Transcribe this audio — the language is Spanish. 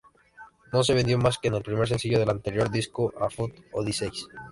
No se vendió más que el primer sencillo del anterior disco A Funk Odyssey.